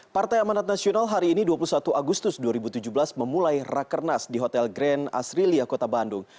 partai amanat nasional hari ini dua puluh satu agustus dua ribu tujuh belas memulai rakernas di hotel grand asrilia kota bandung